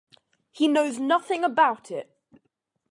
He knows nothing about it.